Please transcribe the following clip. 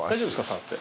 触って。